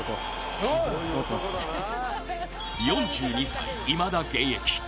４２歳、いまだ現役。